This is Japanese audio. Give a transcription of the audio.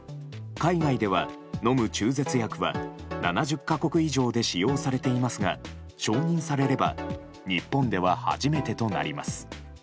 海外では、飲む中絶薬は７０か国以上で使用されていますが承認されれば日本では、初めてとなります。